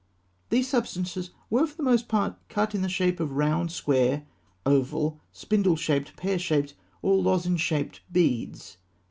These substances were for the most part cut in the shape of round, square, oval, spindle shaped, pear shaped, or lozenge shaped beads.